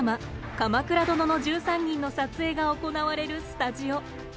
「鎌倉殿の１３人」の撮影が行われるスタジオ。